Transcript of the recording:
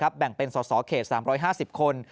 แบ่งเป็นสอสอเขต๓๕๐คน